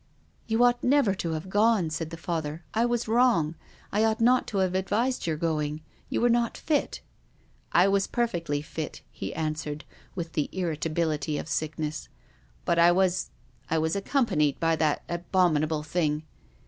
" You ought never to have gone," said the Father. " I was wrong. I ought not to have ad vised your going. Your were not fit." " I was perfectly fit," he answered, with the irri tability of sickness. " But I was — I was accom panied by that abominable thing."